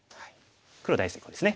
黒大成功ですね。